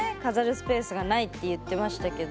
スペースがないって言ってましたけど。